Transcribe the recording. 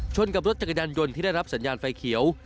กับรถจักรยานยนต์ที่ได้รับสัญญาณไฟเขียว